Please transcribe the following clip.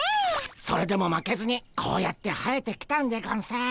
それでも負けずにこうやって生えてきたんでゴンス。